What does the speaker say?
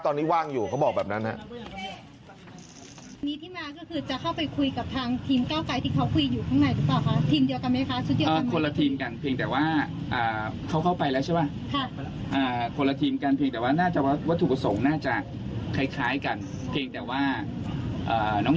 ตอนนี้ว่างอยู่เขาบอกแบบนั้นครับ